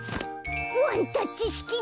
ワンタッチしきだ！